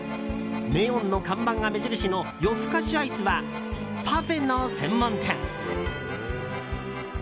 ネオンの看板が目印の夜ふかしアイスはパフェの専門店。